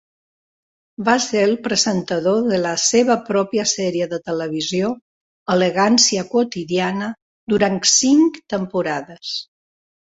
Va ser el presentador de la seva pròpia sèrie de televisió "Elegància quotidiana" durant cinc temporades.